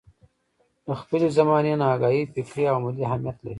له خپلې زمانې نه اګاهي فکري او عملي اهميت لري.